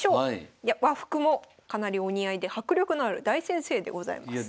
和服もかなりお似合いで迫力のある大先生でございます。